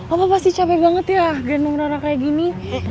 apa pasti capek banget ya ganteng rara kayak gini